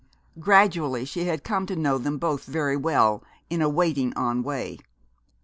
Gradually she had come to know them both very well in a waiting on way.